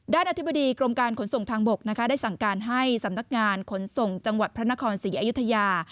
อธิบดีกรมการขนส่งทางบกนะคะได้สั่งการให้สำนักงานขนส่งจังหวัดพระนครศรีอยุธยา